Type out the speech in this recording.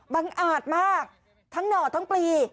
อาจมากทั้งหน่อทั้งปลี